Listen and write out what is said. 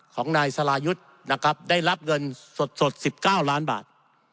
ของนายสรายุทธ์นะครับได้รับเงินสด๑๙ล้านบาท